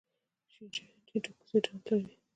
شین چای انټي اکسیډنټ لري